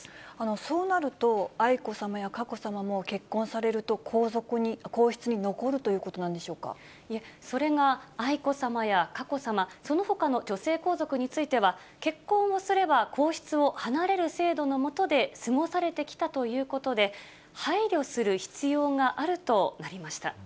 そうなると、愛子さまや佳子さまも結婚されると皇室に残るということなんでしいえ、それが愛子さまや佳子さま、そのほかの女性皇族については、結婚をすれば皇室を離れる制度の下で過ごされてきたということで、配慮する必要があるとなりました。